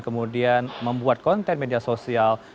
kemudian membuat konten media sosial